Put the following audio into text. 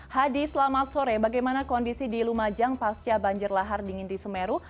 hadi selamat sore bagaimana kondisi di lumajang pasca banjir lahar dingin di semeru